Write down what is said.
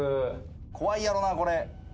怖いやろなこれ。